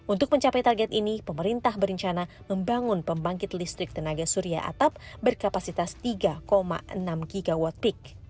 untuk mencapai target ini pemerintah berencana membangun pembangkit listrik tenaga surya atap berkapasitas tiga enam gigawatt peak